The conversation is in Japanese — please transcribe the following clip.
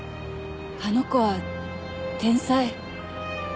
あの子は天才。